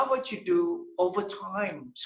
selama beberapa waktu